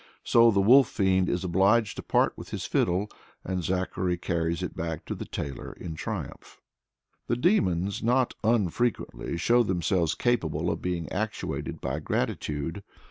So the wolf fiend is obliged to part with his fiddle, and Zachary carries it back to the tailor in triumph. The demons not unfrequently show themselves capable of being actuated by gratitude.